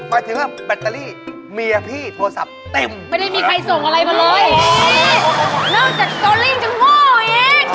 แต่ถึงแบตเตอรี่เมียพี่โทรศัพท์เต็มแหละนะครับ